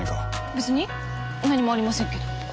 べつに何もありませんけど。